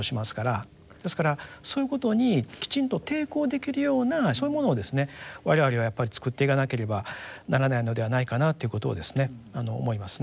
ですからそういうことにきちんと抵抗できるようなそういうものを我々はやっぱり作っていかなければならないのではないかなということを思いますね。